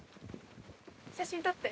写真撮って。